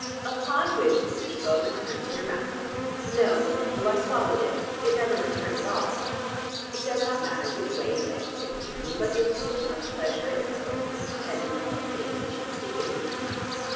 "Upon which the fish bone returned to your mouth?" "No," said Hugh. "I swallowed it. It never returned at all." "It does not matter which way it went," said Nadine; "but your feeling of pleasure at its going was dependent on the pain which its sticking gave you."